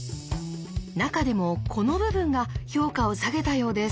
中でもこの部分が評価を下げたようです。